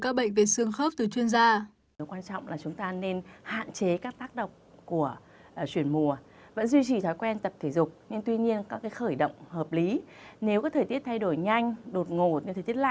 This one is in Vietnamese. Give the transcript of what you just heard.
phòng ngừa các bệnh về sương khớp từ chuyên gia